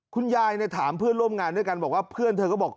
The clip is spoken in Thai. คุณยายถามเพื่อนร่วมงานด้วยกันบอกว่าเพื่อนเธอก็บอก